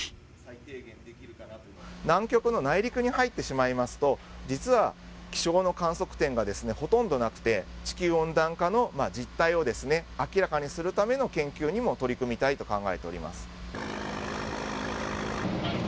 南極の内陸に入ってしまいますと実は気象の観測点がですねほとんどなくて地球温暖化の実態をですね明らかにするための研究にも取り組みたいと考えております。